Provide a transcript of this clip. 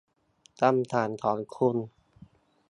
คำถามของคุณ